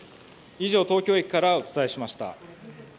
以上、東京駅からお伝えしました。